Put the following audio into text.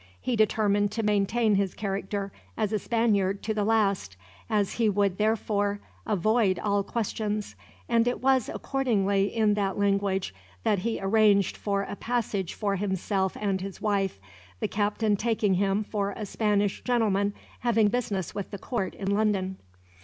He determined to maintain his character as a Spaniard to the last, as he would thereby avoid all questions; and it was, accordingly, in that language that he arranged for a passage for himself and his wife, the captain taking him for a Spanish gentleman having business with the Court in London.